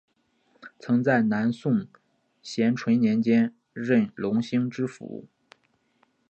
曾在南宋咸淳年间任隆兴知府。